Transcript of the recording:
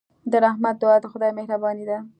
د رحمت دعا د خدای مهرباني ده.